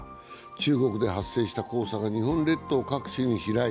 中国で発生した黄砂が日本列島各地に飛来。